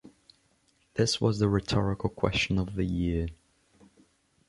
This was the rhetorical question of the year.